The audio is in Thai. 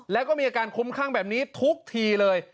แล้วก็มีอาการคุ้มข้างแบบนี้ทุกทีเลย